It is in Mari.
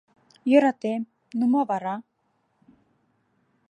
— Йӧратем, ну мо вара?